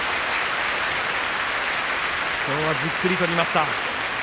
きょうは、じっくり取りました。